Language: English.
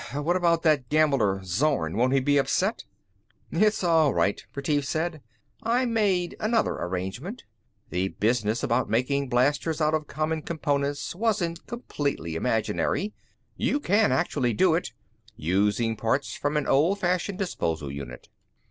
"What about that gambler, Zorn? Won't he be upset?" "It's all right," Retief said, "I made another arrangement. The business about making blasters out of common components wasn't completely imaginary. You can actually do it, using parts from an old fashioned disposal unit."